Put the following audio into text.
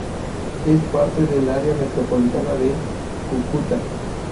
Es parte del Área metropolitana de Cúcuta.